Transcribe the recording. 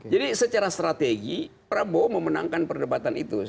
jadi secara strategi prabowo memenangkan perdebatan itu